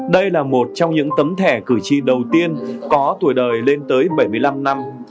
đây là một trong những tấm thẻ cử tri đầu tiên có tuổi đời lên tới bảy mươi năm năm